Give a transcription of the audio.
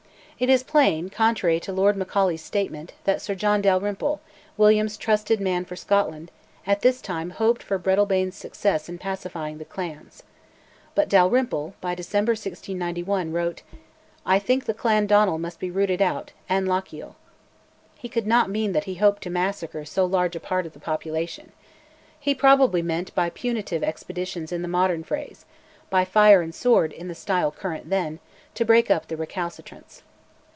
It is plain, contrary to Lord Macaulay's statement, that Sir John Dalrymple, William's trusted man for Scotland, at this time hoped for Breadalbane's success in pacifying the clans. But Dalrymple, by December 1691, wrote, "I think the Clan Donell must be rooted out, and Lochiel." He could not mean that he hoped to massacre so large a part of the population. He probably meant by "punitive expeditions" in the modern phrase by "fire and sword," in the style current then to break up the recalcitrants.